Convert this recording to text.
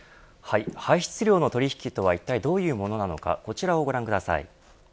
排出量の取引とはいったいどういうものなのかこちらをご覧ください。